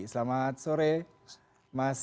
selamat sore mas